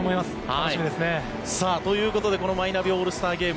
楽しみですね。ということでマイナビオールスターゲーム